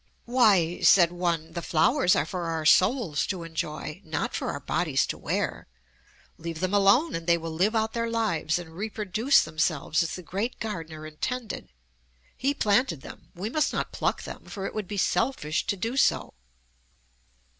"Why," said one, "the flowers are for our souls to enjoy; not for our bodies to wear. Leave them alone and they will live out their lives and reproduce themselves as the Great Gardener intended. He planted them: we must not pluck them, for it would be selfish to do so."